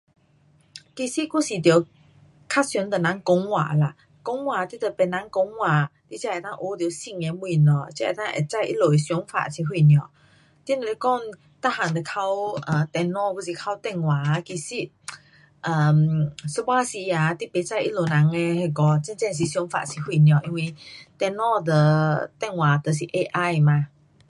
也是还是得较常跟人讲话啦。讲话，你跟别人讲话你才能够学到新的东西。才能够知道他们的想法是什么。你若是说全部都靠 um 电脑还是靠电话啊。其实 um 有时候啊，你不知道他们人的那个真正想法是什么。因为电脑跟电话就是 AI 嘛。